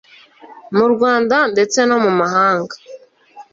Mu Rwanda ndetse no mu mahanga